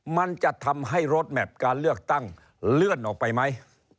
มันจะทำให้รถแมพการเลือกตั้งเลื่อนออกไปไหม